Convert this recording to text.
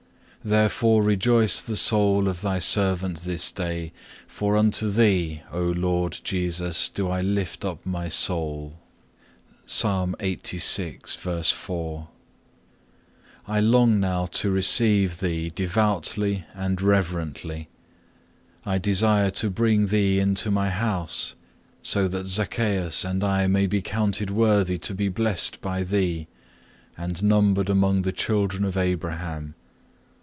Therefore rejoice the soul of Thy servant this day, for unto Thee, O Lord Jesus, do I lift up my soul.(2) I long now to receive Thee devoutly and reverently, I desire to bring Thee into my house, so that with Zacchaeus I may be counted worthy to be blessed by Thee and numbered among the children of Abraham.